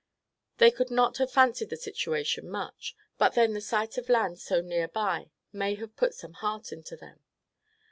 They could not have fancied the situation much; but then the sight of land so near by may have put some heart into them.